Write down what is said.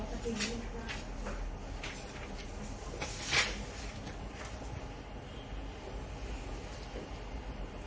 ไม่รู้สึก